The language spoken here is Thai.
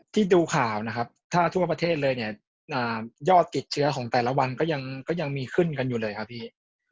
ที่ดูข่าวนะครับถ้าทั่วประเทศเลยเนี่ยยอดติดเชื้อของแต่ละวันก็ยังมีขึ้นกันอยู่เลยครับพี่